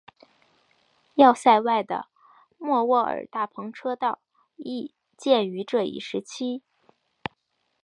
要塞外的莫卧尔大篷车道亦建于这一时期。